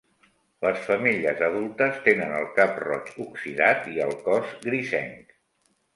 Les femelles adultes tenen el cap roig oxidat i el cos grisenc